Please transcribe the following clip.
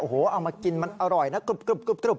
โอ้โหเอามากินมันอร่อยนะกรุบ